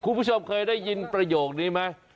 คุณผู้ชมเคยได้ยินประโยคนี้ไหม